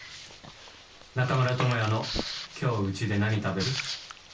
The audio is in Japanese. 中村倫也の「今日、うちでなに食べる？」。